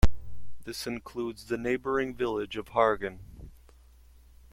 This includes the neighbouring village of Hargen.